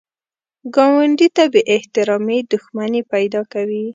ګاونډي ته بې احترامي دښمني پیدا کوي